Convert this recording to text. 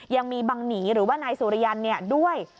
ยังมีบังหนีหรือว่านายสุริยันด้วย